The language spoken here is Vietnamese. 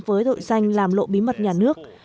với tội danh làm lộ bí mật nhà nước